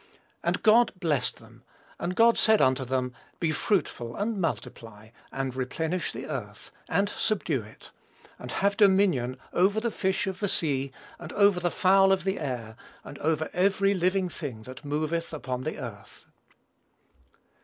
And God blessed them, and God said unto them, Be fruitful and multiply, and replenish the earth, and subdue it; and have dominion over the fish of the sea, and over the fowl of the air, and over every living thing that moveth upon the earth."